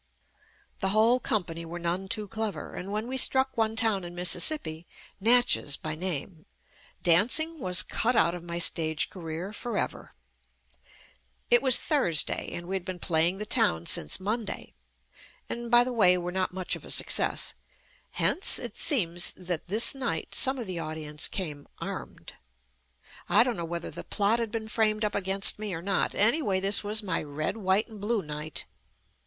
The whole company were none too clever, and when we struck one town in Mississippi — Natchez by name — dancing was cut out of my stage career forever. It was Thursday, and JUST ME we had been playing the town since Monday, and by the way were not much of a success. Hence, it seems that this night some of the audience came armed. I don't know whether the plot had been framed up against me or not — anyway, this was my red, white and blue night.